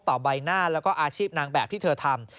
ต่อใบหน้าและอาชีพนางแบบที่เธอทำ